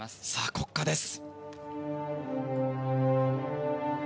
国歌です。